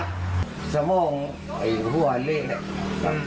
เคยเห็นหน้าตาผู้ตายไหมครับ